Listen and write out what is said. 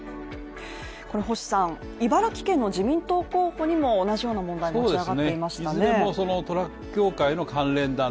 星さん、茨城県の自民党候補にも同じような問題が持ち上がっていましたね